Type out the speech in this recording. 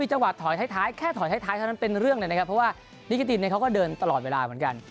จังหวะถอยท้ายแค่ถอยท้ายเท่านั้นเป็นเรื่องเลยนะครับเพราะว่านิกิตินเขาก็เดินตลอดเวลาเหมือนกัน